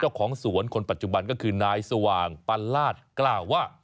เจ้าของสวนคนปัจจุบันก็คือนายสว่างปันลาศกล่าวว่า